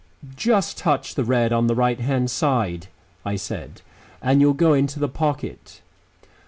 "Just touch the red on the right hand side," I said, "and you'll go into the pocket."